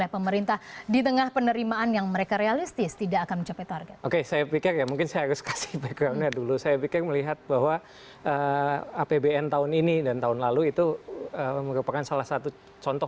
pemerintahan joko widodo